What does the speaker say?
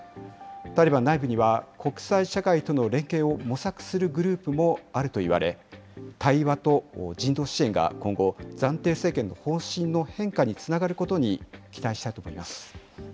タリバン内部には国際社会との連携を模索するグループもあるといわれ、対話と人道支援が今後、暫定政権の方針の変化につながることに期待したいと思います。